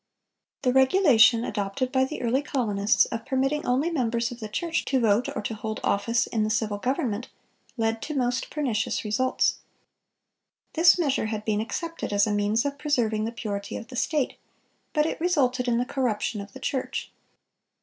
The regulation adopted by the early colonists, of permitting only members of the church to vote or to hold office in the civil government, led to most pernicious results. This measure had been accepted as a means of preserving the purity of the state, but it resulted in the corruption of the church.